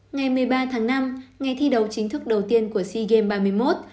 ngày một mươi ba tháng năm ngày thi đầu chính thức đầu tiên của c games ba mươi một